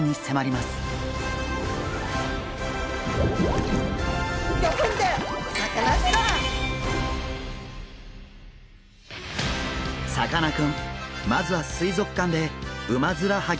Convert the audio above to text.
まずは水族館でウマヅラハギを観察します。